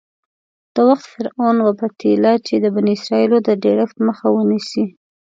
د وخت فرعون وپتېیله چې د بني اسرایلو د ډېرښت مخه ونیسي.